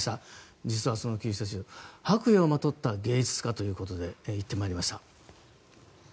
実はその救世主白衣をまとった芸術家ということで行ってまいりました。